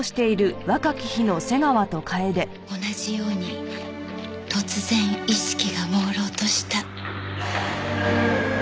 同じように突然意識がもうろうとした。